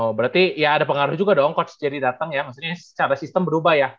oh berarti ya ada pengaruh juga dong coach jadi datang ya maksudnya secara sistem berubah ya